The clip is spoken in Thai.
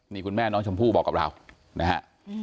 นี่คุณแม่น้องชมพู่บอกกับเรานะฮะ